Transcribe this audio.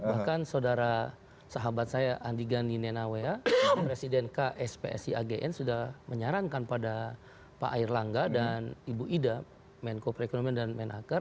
bahkan saudara sahabat saya andi gani nenawea presiden kspsi agn sudah menyarankan pada pak air langga dan ibu ida menko perekonomian dan menaker